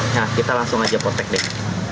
nah kita langsung saja potek deh